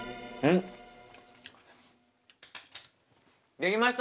できました！